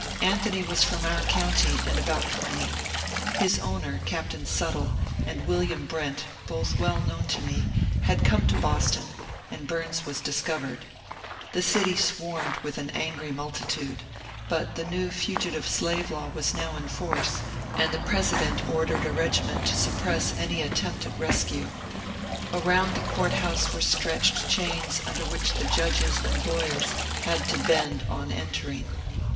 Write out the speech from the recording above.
Anthony was from our county, and about twenty. His owner, Captain Suttle, and William Brent, both well known to me, had come to Boston and Bums was discovered. The city swarmed with an angry multitude ; but the new Fugitive Slave Law was now in force, and the President ordered a regiment to suppress any attempt at rescue. ALround the court house were stretched chains under which the judges and lawyers had to bend on entering.